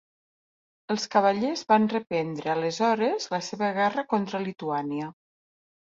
Els Cavallers van reprendre aleshores la seva guerra contra Lituània.